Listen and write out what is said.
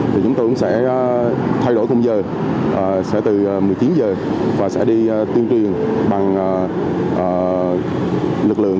thì chúng tôi cũng sẽ thay đổi khung giờ sẽ từ một mươi chín giờ và sẽ đi tuyên truyền bằng lực lượng